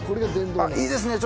あっいいですね